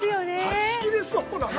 はち切れそうだな。